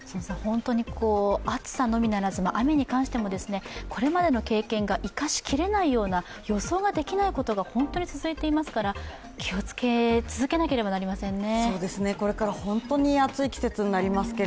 暑さのみならず、雨に関しても、これまでの経験が生かし切れないような予想ができないようなことが、本当に続いていますから気をつけ続けなければなりませんね。